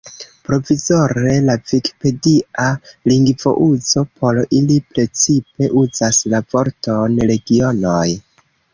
Provizore, la vikipedia lingvouzo por ili precipe uzas la vorton "regionoj".